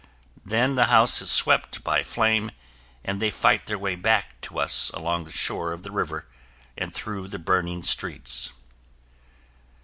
Then the house is swept by flame, and they fight their way back to us along the shore of the river and through the burning streets.